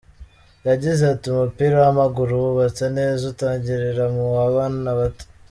Yagize ati: “Umupira w’amaguru wubatse neza utangirira mua bana bato.